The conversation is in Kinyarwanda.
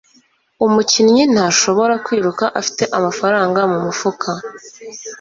Umukinnyi ntashobora kwiruka afite amafaranga mu mufuka.